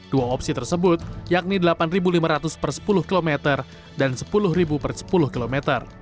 dua opsi tersebut yakni delapan lima ratus per sepuluh km dan sepuluh per sepuluh km